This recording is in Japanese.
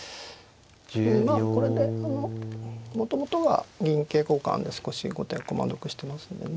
まあこれでもともとは銀桂交換で少し後手が駒得してますんでね。